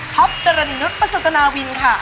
ท็อปดรนินุศประสุทนาวินค่ะ